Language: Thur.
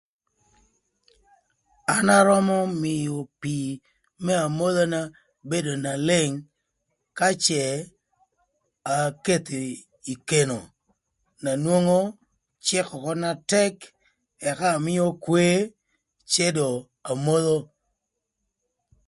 An arömö mïö pii më amodhana bedo na leng ka cë akethi ï keno na nwongo cëk ökö na tëk ëka amïö kwe cë dong amodho